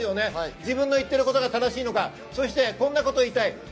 自分の言っていることが正しいのか、そしてこんなことを言いたい。